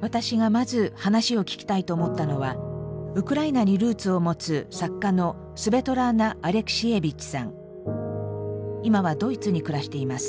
私がまず話を聞きたいと思ったのはウクライナにルーツを持つ今はドイツに暮らしています。